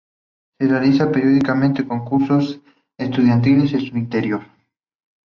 Se realizan periódicamente concursos estudiantiles en su interior.